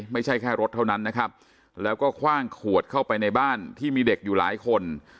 ไม่ใช่แค่รถเท่านั้นนะครับแล้วก็คว่างขวดเข้าไปในบ้านที่มีเด็กอยู่หลายคน